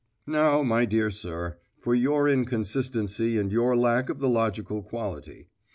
Now, my dear sir, for your inconsistency and your lack of the logical quality.